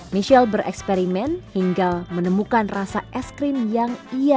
michelle bereksperimen hingga menemukan rasa es krim yang ia